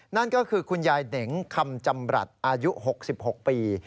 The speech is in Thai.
นั่นก็คือคุณยายเหน่งคำจำรัฐอายุ๖๖ปี